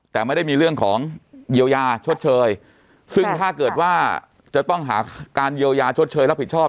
แต่ไม่ได้มีเรื่องของเยียวยาชดเชยซึ่งถ้าเกิดว่าจะต้องหาการเยียวยาชดเชยรับผิดชอบ